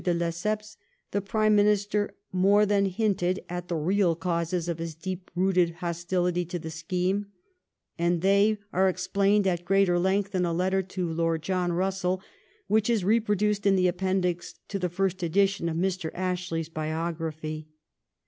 de Lesseps the Prime Minister more than hinted at the real causes of his deeply rooted hostility to the scheme, and they are explained at greater length in a letter to Lord John Bussell, which is reproduced in the appendix to the first edition of Mr. Ashley's biography.